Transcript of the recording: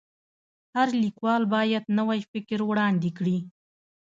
هر لیکوال باید نوی فکر وړاندي کړي.